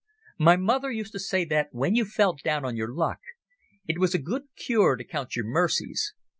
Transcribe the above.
My mother used to say that when you felt down on your luck it was a good cure to count your mercies.